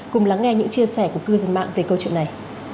cùng lắng nghe những chia sẻ của cư dân mạng về câu chuyện này